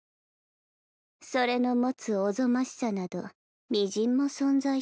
それの持つおぞましさなどみじんも存在しない。